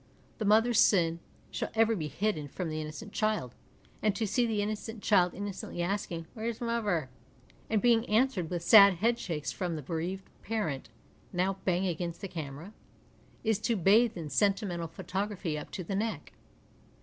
The mother's sin shall ever be hidden from the innocent child, and to see the innocent child innocently asking, " Where's muvver ?" and being answered ^vith sad headshakes from the bereaved parent (now bang against the camera) is to bathe in sentimental photography up to the neck.